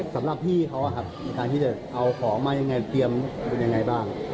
สำหรับพี่เขาครับที่จะเอาของมาเตรียมเป็นยังไงบ้าง